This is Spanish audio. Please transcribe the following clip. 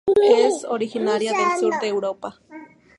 Es originaria del sur de Europa.